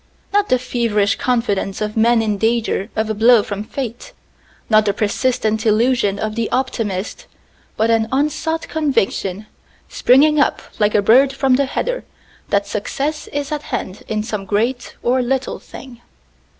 not the feverish confidence of men in danger of a blow from fate, not the persistent illusion of the optimist, but an unsought conviction, springing up like a bird from the heather, that success is at hand in some great or little thing.